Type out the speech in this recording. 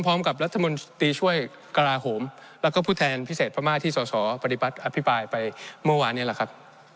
พร้อมกับรัฐมนตรีช่วยกราโหมแล้วก็ผู้แทนพิเศษพม่าที่สอสอปฏิบัติอภิปรายไปเมื่อวานนี้แหละครับ